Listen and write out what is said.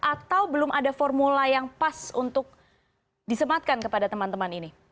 atau belum ada formula yang pas untuk disematkan kepada teman teman ini